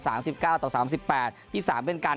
สิบเก้าต่อสามสิบแปดที่สามเป็นกัน